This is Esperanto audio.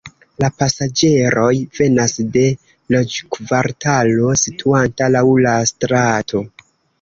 La pasaĝeroj venas de loĝkvartalo situanta laŭ la strato.